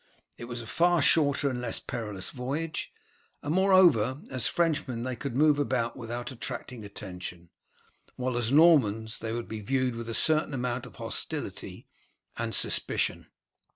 It was a far shorter and less perilous voyage, and moreover, as Frenchmen they could move about without attracting attention, while as Normans they would be viewed with a certain amount of hostility and suspicion.